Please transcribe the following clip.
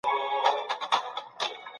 د څېړني لپاره سالم ذهن اړین دی.